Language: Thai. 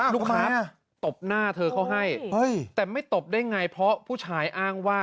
ลูกค้าตบหน้าเธอเขาให้แต่ไม่ตบได้ไงเพราะผู้ชายอ้างว่า